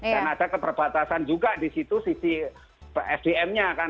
dan ada keterbatasan juga disitu sisi sdm nya kan